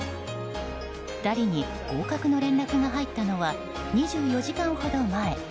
２人に合格の連絡が入ったのは２４時間ほど前。